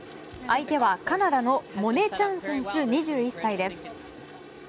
相手はカナダのモネ・チャン選手２１歳です。